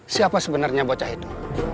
siapa sebenarnya bocah itu